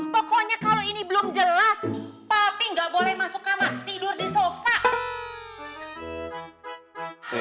pokoknya kalau ini belum jelas tapi nggak boleh masuk kamar tidur di sofa